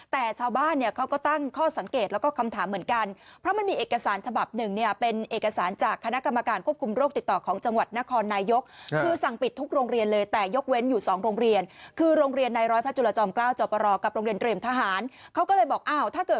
แต่ชาวบ้านเนี่ยเขาก็ตั้งข้อสังเกตแล้วก็คำถามเหมือนกันเพราะมันมีเอกสารฉบับหนึ่งเนี่ยเป็นเอกสารจากคณะกรรมการควบคุมโรคติดต่อของจังหวัดนครนายกคือสั่งปิดทุกโรงเรียนเลยแต่ยกเว้นอยู่สองโรงเรียนคือโรงเรียนในร้อยพระจุลจอมเกล้าจอปรกับโรงเรียนเรียมทหารเขาก็เลยบอกอ้าวถ้าเกิด